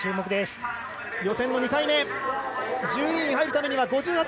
予選の２回目。